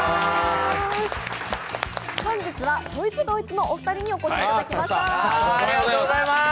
本日はそいつどいつのお二人にお越しいただきました。